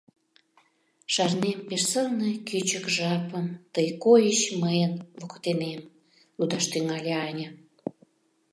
— «Шарнем пеш сылне кӱчык жапым: Тый койыч мыйын воктенем», — лудаш тӱҥале Аня.